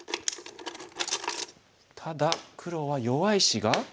ただ黒は弱い石が。